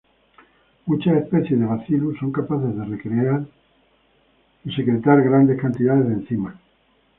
Muchas especies de "Bacillus" son capaces de secretar grandes cantidades de enzimas.